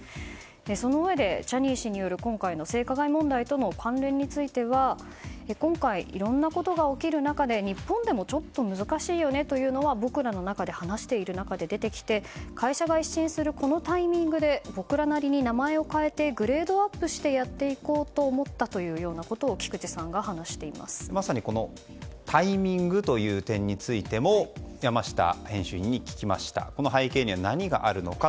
そのうえでジャニー氏による今回の性加害問題との関連については今回、いろんなことが起きる中で日本でもちょっと難しいよねというのは僕らの中で話している中で出てきて会社が一新するこのタイミングで僕らなりに名前を変えてグレードアップしてやっていこうと思ったというようなことをまさにタイミングという点についても山下編集委員に聞きました。